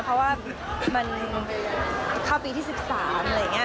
เพราะว่ามันเข้าปีที่๑๓อะไรอย่างนี้